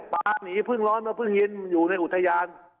ปลาหนีพึ่งร้อนมาพึ่งเย็นอยู่ในอุทยาน